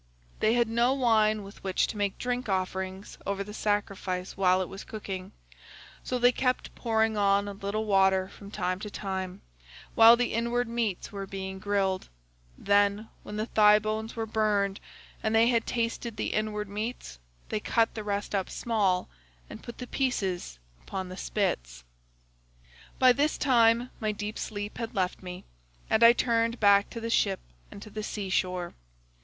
They had no wine with which to make drink offerings over the sacrifice while it was cooking, so they kept pouring on a little water from time to time while the inward meats were being grilled; then, when the thigh bones were burned and they had tasted the inward meats, they cut the rest up small and put the pieces upon the spits. "By this time my deep sleep had left me, and I turned back to the ship and to the sea shore.